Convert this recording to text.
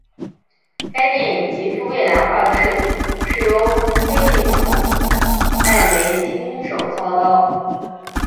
该电影极富未来化的设计是由菲利普埃维亲手操刀。